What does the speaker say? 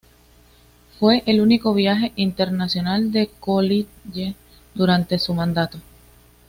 Fue el único viaje internacional de Coolidge durante su mandato.